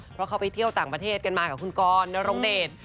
เพราะเขาไปเที่ยวต่างประเทศกันมากับคุณกรนรงเดช